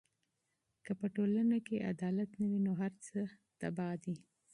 که په ټولنه کې عدالت نه وي، نو هر څه تباه دي.